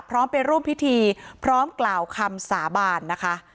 พร้อมไปร่วมพิธีพร้อมกล่าวคำสาบานนะคะ